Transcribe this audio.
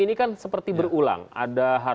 tiga pers bunga